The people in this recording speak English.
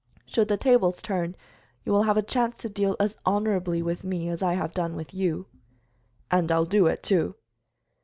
"Should the tables turn, you will have a chance to deal as honorably with me as I have done with you." "And I'll do it, too."